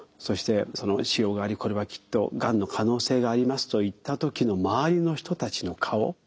そしてその腫瘍がありこれはきっとがんの可能性がありますといった時の周りの人たちの顔。